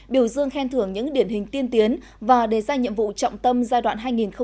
biểu dương khen thưởng những điển hình tiên tiến và đề ra nhiệm vụ trọng tâm giai đoạn hai nghìn hai mươi hai nghìn hai mươi năm